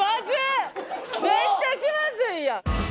めっちゃ気まずいやん。